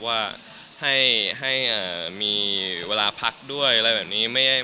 ว่าให้มีเวลาพักด้วยอะไรแบบนี้